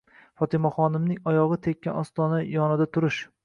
Fotimaxonimning oyog'i tekkan ostona yonida turish